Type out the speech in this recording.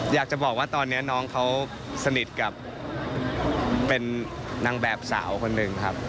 อยากจะบอกว่าตอนนี้น้องเขาสนิทกับเป็นนางแบบสาวคนหนึ่งครับ